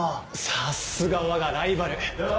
さすがわがライバル。